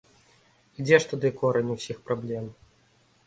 І дзе ж тады корань усіх праблем?